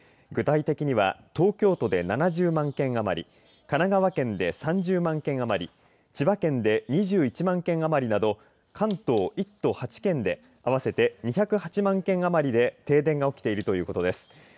具体的には東京都で７０万件余り神奈川県で３０万件余り千葉県で２１万件余りなど関東１都８県で合わせて２０８万件余りで停電が起きているということです。